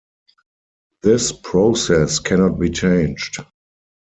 This process cannot be changed.